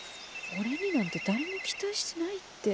俺になんて誰も期待してないって。